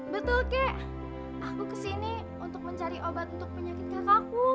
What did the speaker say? betul kek aku kesini untuk mencari obat untuk penyakit kakakku